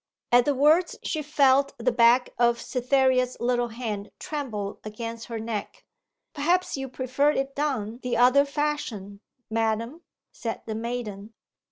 At the words she felt the back of Cytherea's little hand tremble against her neck. 'Perhaps you prefer it done the other fashion, madam?' said the maiden.